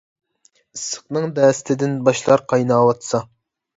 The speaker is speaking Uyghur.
ئىسسىقنىڭ دەستىدىن باشلار قايناۋاتسا.